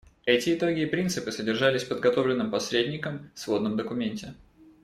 Эти итоги и принципы содержались в подготовленном посредником сводном документе.